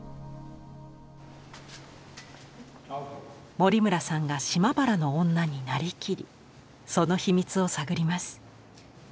森村さんが「島原の女」になりきりその秘密を探ります。